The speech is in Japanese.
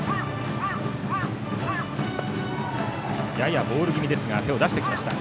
ややボール気味ですが手を出してきました。